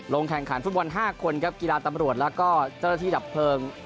แข่งขันฟุตบอล๕คนครับกีฬาตำรวจแล้วก็เจ้าหน้าที่ดับเพลิง